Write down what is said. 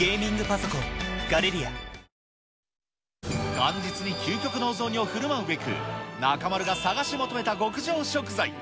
元日に究極のお雑煮をふるまうべく、中丸が探し求めた極上食材。